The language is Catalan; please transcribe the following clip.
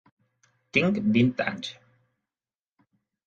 Tinc vint anys.